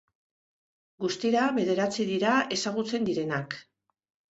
Guztira bederatzi dira ezagutzen direnak.